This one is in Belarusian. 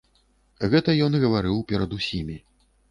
Гэта ён гаварыў перад усімі.